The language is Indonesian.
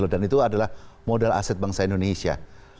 dan itu adalah modal aset bangsa indonesia